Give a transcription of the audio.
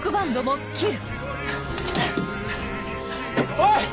おい！